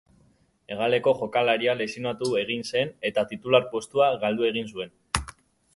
Hegaleko jokalaria lesionatu egin zen eta titular postua galdu egin zuen.